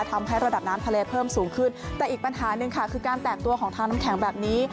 ทำให้ระดับน้ำทะเลเพิ่มสูงขึ้นแต่อีกปัญหาหนึ่งค่ะคือการแตกตัวของทางน้ำแข็งแบบนี้